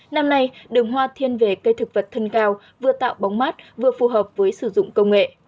năm nay đường hoa thiên về cây thực vật thân cao vừa tạo bóng mát vừa phù hợp với sử dụng công nghệ